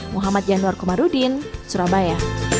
muhammad januar komarudin surabaya